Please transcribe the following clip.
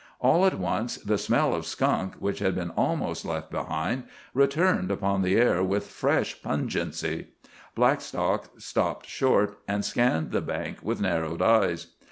All at once the smell of skunk, which had been almost left behind, returned upon the air with fresh pungency. Blackstock stopped short and scanned the bank with narrowed eyes.